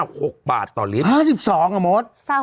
พี่โอ๊คบอกว่าเขินถ้าต้องเป็นเจ้าภาพเนี่ยไม่ไปร่วมงานคนอื่นอะได้